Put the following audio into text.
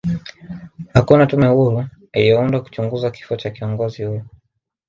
hakuna tume huru iliyoundwa kuchunguza kifo cha kiongozi huyo